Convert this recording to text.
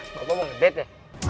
bapak mau ngebet ya